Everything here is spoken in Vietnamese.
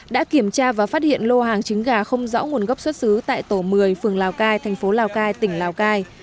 đã kiểm tra và phát hiện lô hàng trứng gà không rõ nguồn gốc xuất xứ tại tổ một mươi phường lào cai thành phố lào cai tỉnh lào cai